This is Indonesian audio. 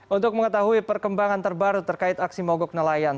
untuk mengetahui perkembangan terbaru terkait aksi mogok nelayan